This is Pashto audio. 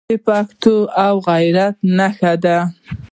د پښتو او غیرت نښې دي.